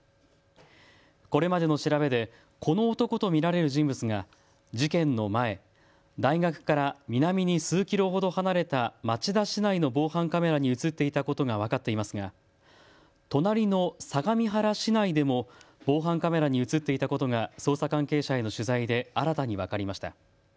これまでの調べでこの男と見られる人物が事件の前、大学から南に数キロほど離れた町田市内の防犯カメラに写っていたことが分かっていますが隣の相模原市内でも防犯カメラに写っていたことが捜査関係者への取材で新たに分かりました。